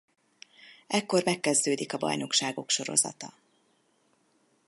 Ekkor megkezdődik a bajnokságok sorozata.